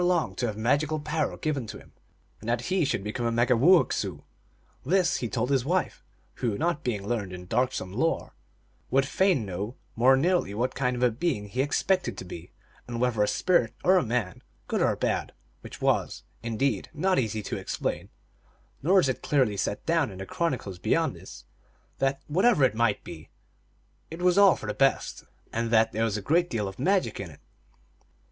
erelong to have magical power given to him, and that he should become a Megumoowessoo. This he told his wife, who, not being learned in darksome lore, would fain know more nearly what kind of a being he ex pected to be, and whether a spirit or a man, good or bad ; which was, indeed, not easy to explain, nor is it clearly set down in the chronicles beyond this, that, whatever it might be, it was all for the best, and that there was a great deal of magic in it.